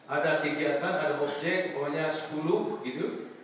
ada kegiatan ada gojek pokoknya sepuluh gitu